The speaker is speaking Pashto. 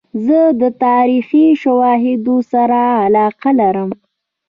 زه د تاریخي شواهدو سره علاقه لرم.